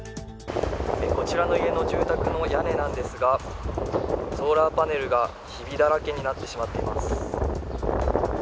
こちらの家の住宅の屋根なんですがソーラーパネルがひびだらけになってしまっています。